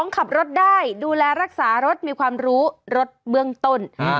ขับรถได้ดูแลรักษารถมีความรู้รถเบื้องต้น